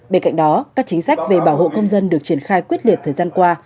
bên cạnh đó các chính sách về bảo hộ công dân được triển khai quyết liệt thời gian qua